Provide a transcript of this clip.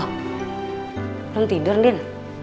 wah belum tidur din